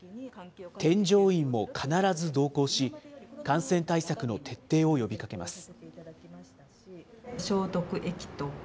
添乗員も必ず同行し、感染対策の徹底を呼びかけます。